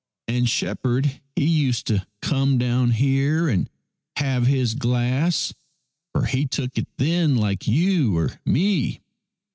And shep herd he used to come down here and have his glass, for he took it then like you or me.